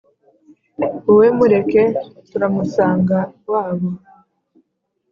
wowe mureke turamusanga wabo